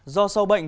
do sau bệnh